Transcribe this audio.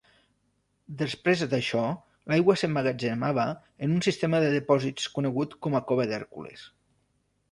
Després d'això, l'aigua s'emmagatzemava en un sistema de dipòsits conegut com a Cova d'Hèrcules.